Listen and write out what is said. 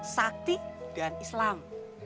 sakti dan islam